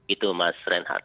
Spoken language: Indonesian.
itu mas renhard